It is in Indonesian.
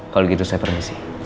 kalau gitu saya permisi